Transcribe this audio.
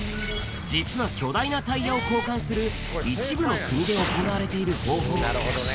実は巨大なタイヤを交換する一部の国で行われている方法。